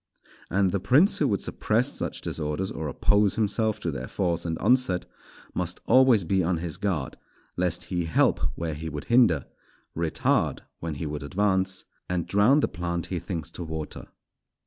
And the prince who would suppress such disorders or oppose himself to their force and onset, must always be on his guard, lest he help where he would hinder, retard when he would advance, and drown the plant he thinks to water.